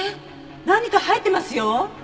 何か入ってますよ。